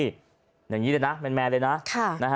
อย่างนี้เลยนะแมนเลยนะ